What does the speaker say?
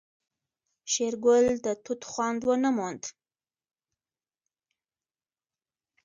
شېرګل د توت خوند ونه موند.